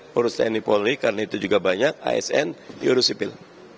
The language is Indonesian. pengurus tni polri karena itu juga banyak asn diurus sipil